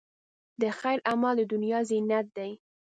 د خیر عمل، د دنیا زینت دی.